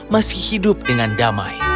masih hidup dengan damai